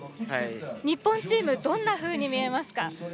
日本チーム、どんなふうに見えますか？